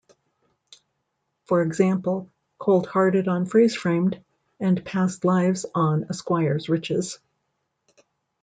For example: "Cold Hearted" on "Freeze Framed" and "Past Lives" on "A Squire's Riches".